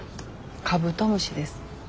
カブトムシです。